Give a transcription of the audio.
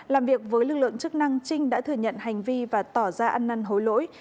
làm việc với lực lượng chức năng trinh đã thừa nhận hành vi và tỏ ra ăn năn hối lỗi